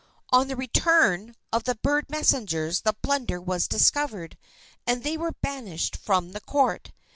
On the return of the bird messengers the blunder was discovered, and they were banished from the court.